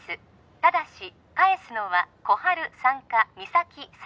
ただし返すのは心春さんか実咲さん